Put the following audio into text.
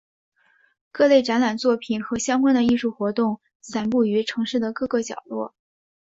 各类展览作品和相关的艺术活动散布于城市的各个角落。